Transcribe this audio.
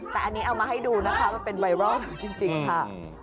แต่อันนี้เอามาให้ดูนะคะมันเป็นไวรัลจริงค่ะ